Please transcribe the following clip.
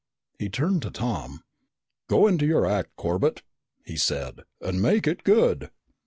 He turned to Tom. "Go into your act, Corbett," he said, "and make it good!"